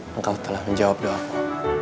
engkau telah menjawab doaku